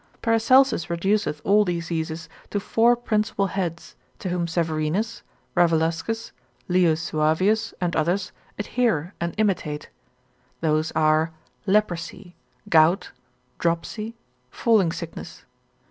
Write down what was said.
Paracelsus reduceth all diseases to four principal heads, to whom Severinus, Ravelascus, Leo Suavius, and others adhere and imitate: those are leprosy, gout, dropsy, falling sickness.